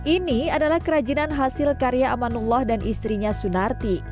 ini adalah kerajinan hasil karya amanullah dan istrinya sunarti